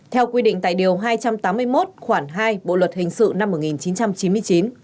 theo quy định tại điều hai trăm tám mươi một khoảng hai bộ luật hình sự năm một nghìn chín trăm chín mươi chín